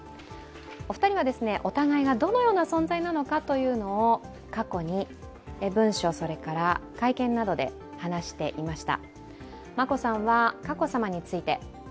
お二人はお互いがどのような存在なのかを、過去に文書、それから会見などで話していました。